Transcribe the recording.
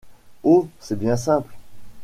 Oh ! c’est bien simple.